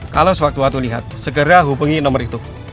kalau suatu suatu lihat segera hubungi nomor itu